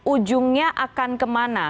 ujungnya akan kemana